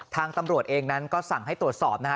ทางตำรวจเองนั้นก็สั่งให้ตรวจสอบนะฮะ